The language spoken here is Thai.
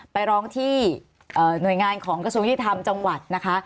ไปร้องที่หน่วยงานของกระทรวงยุติธรรมจังหวัดนะคะ